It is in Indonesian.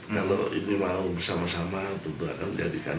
kalau ini mau bersama sama tentu akan menjadikan